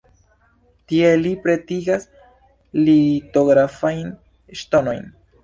Tie li pretigas litografajn ŝtonojn.